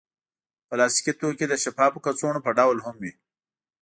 پلاستيکي توکي د شفافو کڅوړو په ډول هم وي.